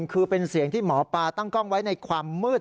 คือเป็นเสียงที่หมอปลาตั้งกล้องไว้ในความมืด